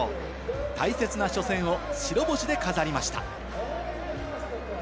大切な初戦を白星で飾りました。